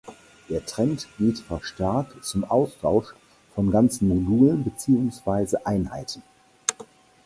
Der Trend geht verstärkt zum Austausch von ganzen Modulen beziehungsweise Einheiten.